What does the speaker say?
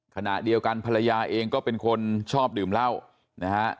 ขณะเดียวกันภรรยาเองก็เป็นคนชอบดื่มเหล้านะฮะ